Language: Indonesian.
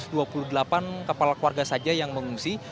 jadi hanya satu ratus dua puluh delapan kepala warga saja yang mengungsi